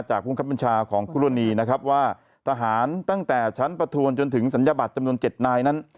ภูมิคับบัญชาของคู่รณีนะครับว่าทหารตั้งแต่ชั้นประทวนจนถึงศัลยบัตรจำนวน๗นายนั้น